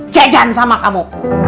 jejan sama kamu